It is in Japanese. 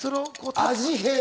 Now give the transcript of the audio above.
味変？